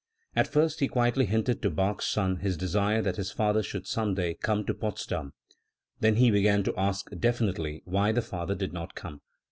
At first he quietly hinted to Bach's son his desire that Ms father should some day come to Potsdam; then he began to ask definitely why the father did not come.